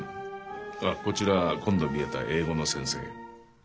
あっこちら今度見えた英語の先生。